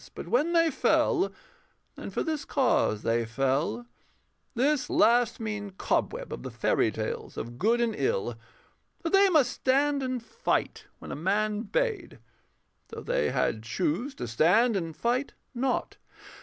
But when they fell then for this cause they fell, This last mean cobweb of the fairy tales Of good and ill: that they must stand and fight When a man bade, though they had chose to stand And fight not.